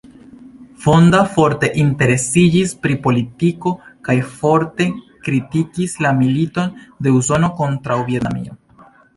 Fonda forte interesiĝis pri politiko kaj forte kritikis la militon de Usono kontraŭ Vjetnamio.